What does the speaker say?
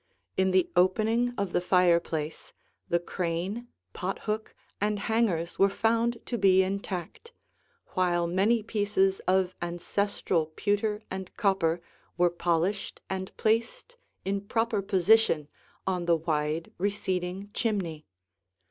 In the opening of the fireplace the crane, pothook, and hangers were found to be intact, while many pieces of ancestral pewter and copper were polished and placed in proper position on the wide, receding chimney.